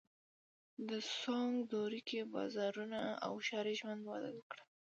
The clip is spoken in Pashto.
د سونګ دورې کې بازارونه او ښاري ژوند وده وکړه.